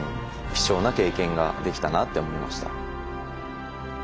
貴重な経験ができたなって思いました。